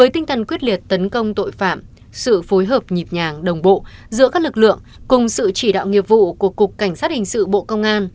tấn công tội phạm sự phối hợp nhịp nhàng đồng bộ giữa các lực lượng cùng sự chỉ đạo nghiệp vụ của cục cảnh sát hình sự bộ công an